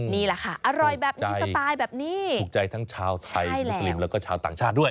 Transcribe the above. นี่แหละค่ะอร่อยแบบนี้สไตล์แบบนี้ถูกใจทั้งชาวไทยมุสลิมแล้วก็ชาวต่างชาติด้วย